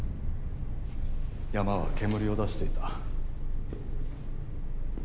山は煙を出していた。